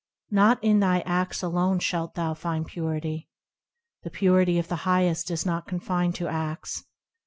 Not in thy acts alone shalt thou find Purity, The Purity of the Highest is not confined to acts.